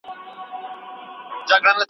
ښایسته اوس درملنه اخلي.